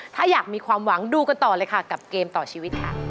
ถ้าอยากมีความหวังดูกันต่อเลยค่ะกับเกมต่อชีวิตค่ะ